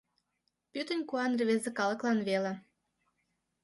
Пӱтынь куан рвезе калыклан веле.